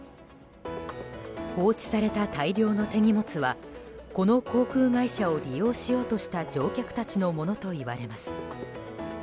放置された大量の手荷物はこの航空会社を利用しようとした乗客たちのものといわれます。